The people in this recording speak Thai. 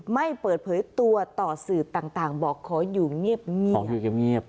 ไม่เปิดเผยตัวต่อสื่อต่างบอกของอยู่เงียบ